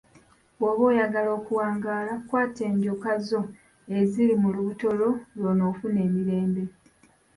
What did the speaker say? Oba oyagala okuwangaala, kwata enjoka zo eziri mu lubuto lwo lw'onoofuna emirembe.